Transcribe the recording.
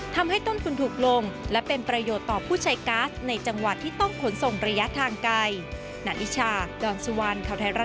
ทำให้ต้นทุนถูกลงและเป็นประโยชน์ต่อผู้ใช้ก๊าซในจังหวัดที่ต้องขนส่งระยะทางไกล